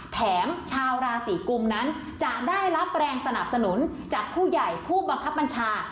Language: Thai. แถมชาวราศีกุมนั้นจะได้รับแรงสนับสนุนจากผู้ใหญ่ผู้บังคับบัญชา